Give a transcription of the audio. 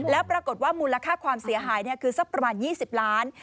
แล้วปรากฏว่ามูลค่าความเสียหายคือสักประมาณ๒๐ล้าน